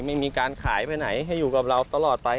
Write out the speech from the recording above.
ไม่มีการขายไปไหนให้อยู่กับเราตลอดไป